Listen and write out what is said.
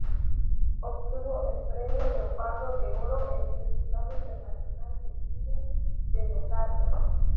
Obtuvo el premio Leopardo de Oro en el Festival Internacional de Cine de Locarno.